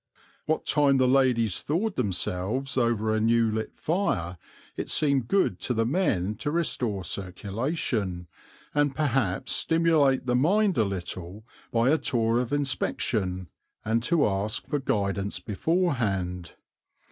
What time the ladies thawed themselves over a new lit fire it seemed good to the men to restore circulation, and perhaps stimulate the mind a little, by a tour of inspection, and to ask for guidance beforehand.